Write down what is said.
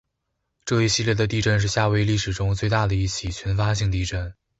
这一系列的地震是夏威夷历史中最大的一起群发性地震。